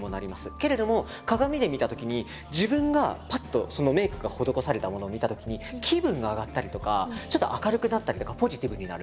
けれども鏡で見たときに自分がパッとそのメイクが施されたものを見たときに気分が上がったりとかちょっと明るくなったりとかポジティブになる。